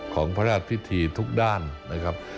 ของพระราชพิธีทุกด้านนะครับ